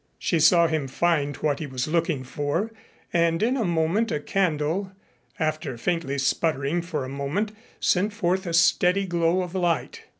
She saw him find what he was looking for and in a moment a candle, after faintly sputtering for a moment, sent forth a steady glow of light.